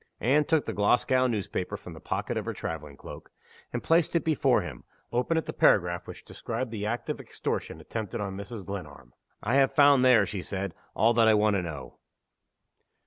Anne took the Glasgow newspaper from the pocket of her traveling cloak, and placed it before him, open at the paragraph which described the act of extortion attempted on Mrs. Glenarm. "I have found there," she said, "all that I want to know."